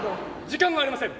時間がありません。